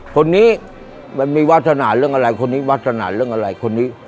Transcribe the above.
คนนี้มันมีวาสนาเรื่องอะไรคนนี้วาสนาเรื่องอะไรคนนี้